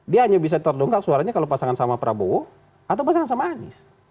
dia hanya bisa terdongk suaranya kalau pasangan sama prabowo atau pasangan sama anies